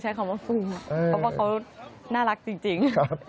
เพราะว่าเขาน่ารักจริง